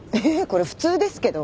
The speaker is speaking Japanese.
これ普通ですけど。